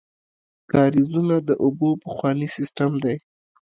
کاریزونه د اوبو پخوانی سیسټم دی.